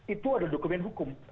itu adalah dokumen hukum